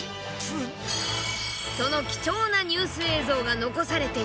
その貴重なニュース映像が残されていた。